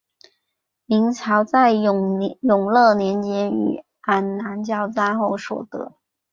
明朝在永乐年间与安南交战后所得。